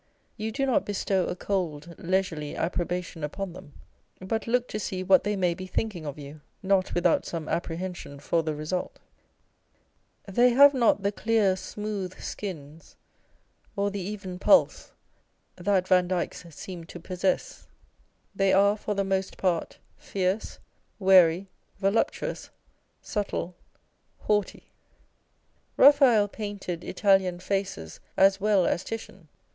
You do not bestow a cold, leisurely approbation upon them, but look to see what they may be thinking of you, not without some apprehension for the result. They have not On a Portrait by Vandyke. 401 the clear smooth skins or the even pulse that Vandyke's seem to possess. They are, for the most part, fierce, wary, voluptuous, subtle, haughty. Raphael painted Italian faces as well as Titian.